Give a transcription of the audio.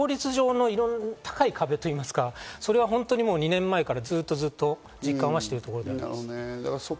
法律上の高い壁と言いますか、それは本当に２年前からずっとずっと実感しているところです。